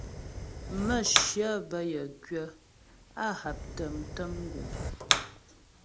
Mə̌shyə bə́ yə gwyə̌, á haptə mtə̀m guŋ.